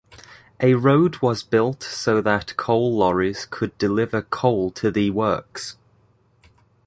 A road was built so that coal lorries could deliver coal to the works.